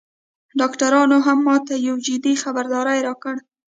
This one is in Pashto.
ډاکترانو هم ماته یو جدي خبرداری راکړ